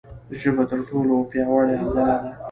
ژبه تر ټولو پیاوړې عضله ده.